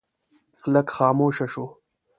لږ خاموشه شو.